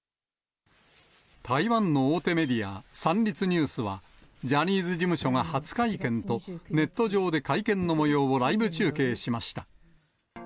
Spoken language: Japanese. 台湾の大手メディア、三立ニュースは、ジャニーズ事務所が初会見と、ネット上で会見のもようをライブ中継しました。